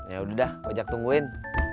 yaudah dah ojak tungguin